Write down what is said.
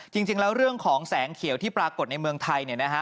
จริงแล้วเรื่องของแสงเขียวที่ปรากฏในเมืองไทยเนี่ยนะฮะ